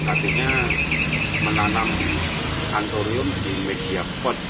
artinya menanam antorium di media pot